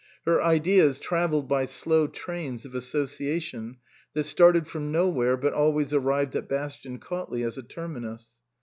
Her ideas travelled by slow trains of association that started from nowhere but always arrived at Bastian Cautley as a terminus.